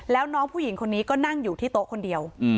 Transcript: แล้วน้องผู้หญิงคนนี้ก็นั่งอยู่ที่โต๊ะคนเดียว